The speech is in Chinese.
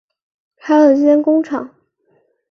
开了间工厂